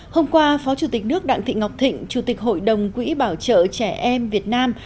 hôm qua phó chủ tịch nước đặng thị ngọc thịnh chủ tịch hội đồng quỹ bảo trợ trẻ em việt nam